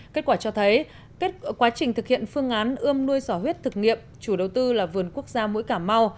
kết quả cho thấy quá trình thực hiện phương án ươm nuôi sỏ huyết thực nghiệm chủ đầu tư là vườn quốc gia mũi cảm mau